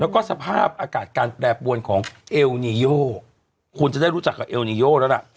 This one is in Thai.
แล้วก็สภาพอากาศการแปรปวนของเอลนีโยคุณจะได้รู้จักกับเอลนีโยแล้วล่ะ